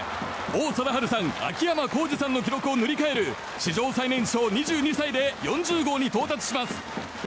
王貞治さん、秋山幸二さんの記録を塗り替える史上最年少２２歳で４０号に到達します。